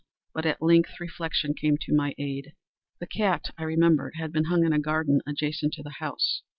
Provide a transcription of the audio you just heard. But at length reflection came to my aid. The cat, I remembered, had been hung in a garden adjacent to the house.